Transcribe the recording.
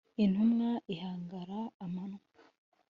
intumwa ihangara amanywa